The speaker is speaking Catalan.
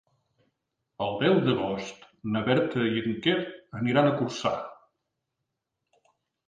El deu d'agost na Berta i en Quer aniran a Corçà.